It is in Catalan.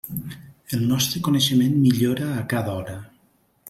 El nostre coneixement millora a cada hora.